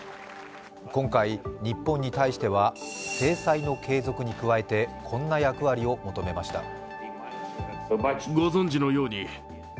今回、日本に対しては制裁の継続に加えてこんな役割を求めました。